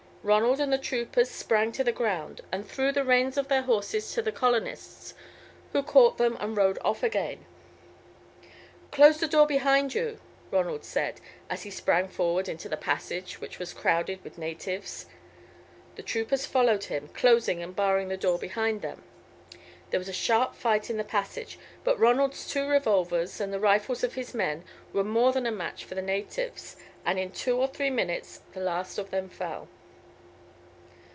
Ronald and the troopers sprang to the ground, and threw the reins of their horses to the colonists who caught them and rode off again. "Close the door behind you," Ronald said, as he sprang forward into the passage, which was crowded with natives. The troopers followed him, closing and barring the door behind them. There was a sharp fight in the passage, but Ronald's two revolvers and the rifles of his men were more than a match for the natives, and in two or three minutes the last of them fell.